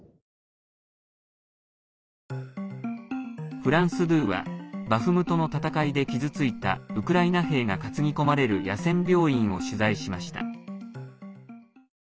フランス２はバフムトの戦いで傷ついたウクライナ兵が担ぎ込まれる野戦病院を取材しました。